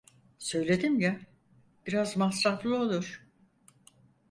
Söyledim ya, biraz masraflı olur.